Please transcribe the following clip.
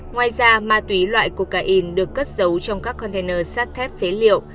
ngoài ra ma túy loại cocaine được cất giấu trong các container sát thép phế liệu